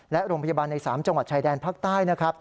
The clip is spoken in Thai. และโรงพยาบาลใน๓จังหวัดชายแดนภาคใต้นะครับ